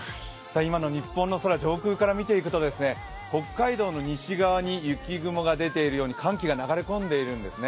今の日本の空、上空から見ていくと北海道の西側に雪雲が出ているように寒気が流れ込んでいるんですね。